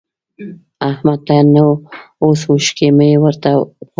احمده! ته نو اوس اوښکی مه ورته غوړوه.